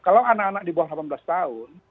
kalau anak anak di bawah delapan belas tahun